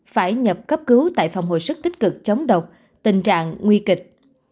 phải nhập cấp cứu tại phòng hồi sức tích cực chống độc tình trạng nguy kịch